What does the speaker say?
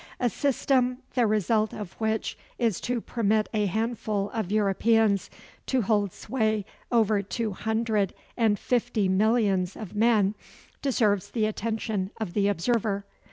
A system, the result of which is to permit a handful of Europeans to hold sway over two hundred and fifty millions of men deserves the attention of the observer.